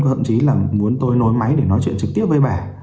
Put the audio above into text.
thậm chí là muốn tôi nối máy để nói chuyện trực tiếp với bà